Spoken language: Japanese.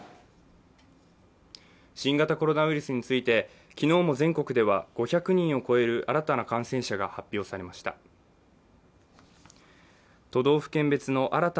新型コロナウイルスについて、昨日も全国では５００人を超える新たな感染者が発表されました。